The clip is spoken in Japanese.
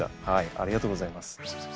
ありがとうございます。